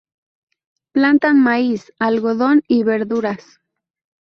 Plantan maíz, algodón y verduras.